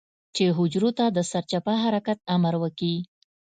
چې حجرو ته د سرچپه حرکت امر وکي.